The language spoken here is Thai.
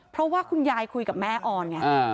เพราะว่าคุณยายคุยกับแม่ออนไง